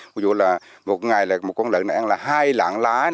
ví dụ là một ngày là một con lợn ăn là hai lạng lá